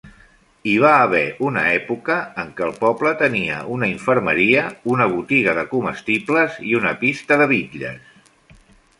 Hi va haver una època en què el poble tenia una infermeria, una botiga de comestibles i una pista de bitlles.